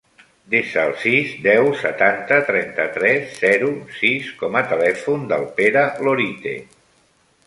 Desa el sis, deu, setanta, trenta-tres, zero, sis com a telèfon del Pere Lorite.